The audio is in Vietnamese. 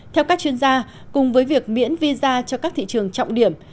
theo các chuyên gia cùng với việc miễn visa cho các thị trường trọng điểm